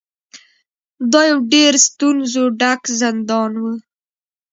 دا یو ډیر ستونزو ډک زندان و.